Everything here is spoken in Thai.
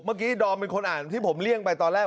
เมื่อกี้ดอมเป็นคนอ่านที่ผมเลี่ยงไปตอนแรก